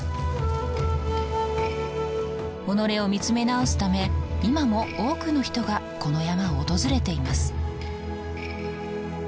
己を見つめ直すため今も多くの人がこの山を訪れています。